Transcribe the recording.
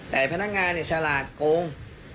แต่พนักงานเนี่ยฉลาดโกง